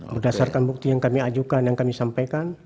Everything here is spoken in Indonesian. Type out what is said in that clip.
berdasarkan bukti yang kami ajukan yang kami sampaikan